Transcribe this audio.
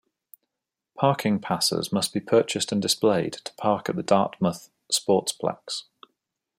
Parking Passes must be purchased and displayed to park at the Dartmouth Sportsplex.